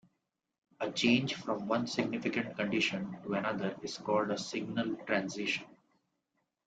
A change from one significant condition to another is called a signal transition.